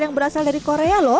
yang berasal dari korea loh